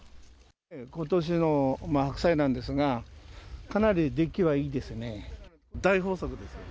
ことしの白菜なんですが、かなり出来はいいですね。